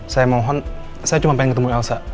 saya mohon saya cuma pengen ketemu elsa